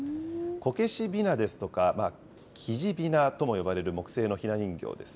こけしびなですとか、木地びなとも呼ばれる木製のひな人形です。